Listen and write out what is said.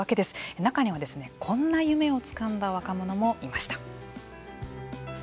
中には、こんな夢をつかんだ若者もいました。